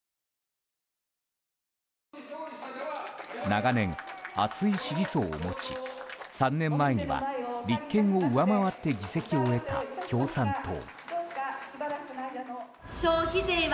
長年、厚い支持層を持ち３年前には立憲を上回って議席を得た共産党。